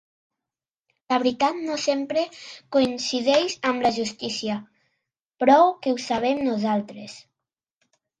La veritat no sempre coincideix amb la justícia; prou que ho sabem, nosaltres.